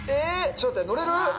ちょっと待って乗れる？